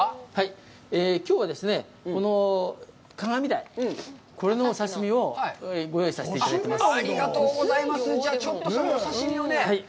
きょうはですね、このカガミダイ、これのお刺身をご用意させていただいています。